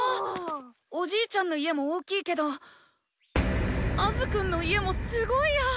おじいちゃんの家も大きいけどアズくんの家もすごいや！